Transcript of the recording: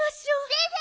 先生！